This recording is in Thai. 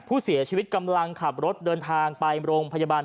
ผู้เสียชีวิตกำลังขับรถเดินทางไปโรงพยาบาล